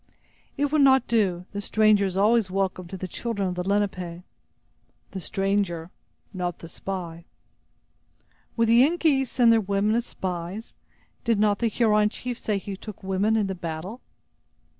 "It would not do. The stranger is always welcome to the children of the Lenape." "The stranger, but not the spy." "Would the Yengeese send their women as spies? Did not the Huron chief say he took women in the battle?"